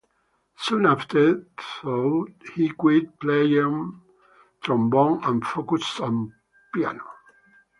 Soon after, though, he quit playing trombone and focused on piano.